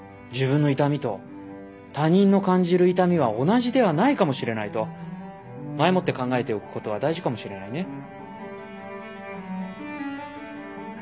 自分の痛みと他人の感じる痛みは同じではないかもしれないと前もって考えておくことは大事かもしれないね。